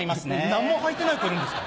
何もはいてない子いるんですか？